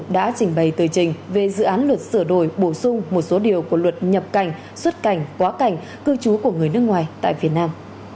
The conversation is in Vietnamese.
đã trình bày tờ trình về dự án luật sửa đổi bổ sung một số điều của luật nhập cảnh xuất cảnh quá cảnh cư trú của người nước ngoài tại việt nam